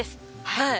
はい。